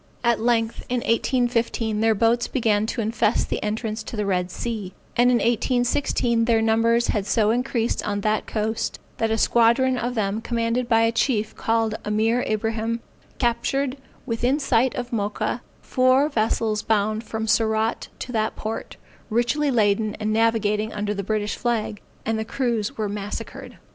[Illustration: The daring Intrepidity of Lieut. Hall.] At length in 1815, their boats began to infest the entrance to the Red Sea; and in 1816, their numbers had so increased on that coast, that a squadron of them commanded by a chief called Ameer Ibrahim, captured within sight of Mocha, four vessels bound from Surat to that port, richly laden and navigating under the British flag, and the crews were massacred.